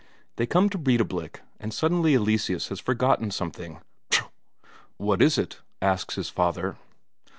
They come to Breidablik, and suddenly Eleseus has forgotten something. "Ptro! What is it?" asks his father.